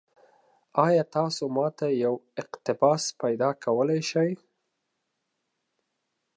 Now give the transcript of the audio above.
ایا تاسو ما ته یو اقتباس پیدا کولی شئ؟